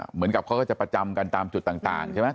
เหมือนกับเขาก็จะประจำกันตามจุดต่างใช่ไหม